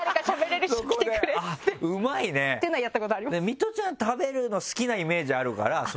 ミトちゃん食べるの好きなイメージあるからそれいける。